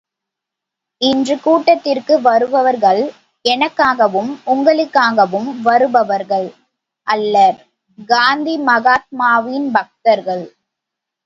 இன்று கூட்டத்திற்கு வருபவர்கள் எனக்காகவும், உங்களுக்காகவும் வருபவர்கள் அல்ல காந்தி மகாத்மாவின் பக்தர்கள்.